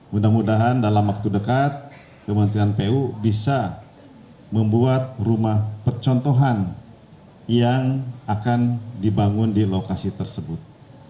mudah mudahan dalam waktu dekat kementerian pu bisa membuat rumah percontohan yang akan dibangun di lokasi tersebut